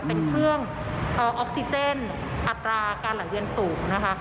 เป็นเครื่องออกซิเจนอัตราการไหลเวียนสูงนะคะ